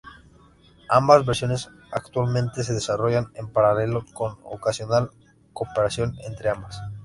Ambas versiones actualmente se desarrollan en paralelo, con ocasional cooperación entre ambas.